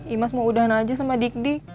imas mau udahan aja sama dik dik